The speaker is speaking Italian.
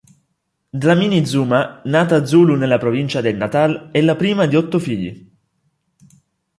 Dlamini-Zuma, nata zulu nella provincia del Natal, è la prima di otto figli.